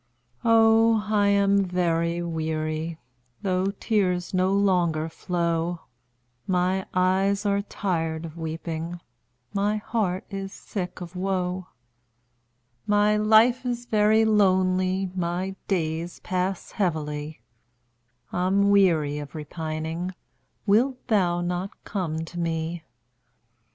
Oh, I am very weary, Though tears no longer flow; My eyes are tired of weeping, My heart is sick of woe; My life is very lonely My days pass heavily, I'm weary of repining; Wilt thou not come to me?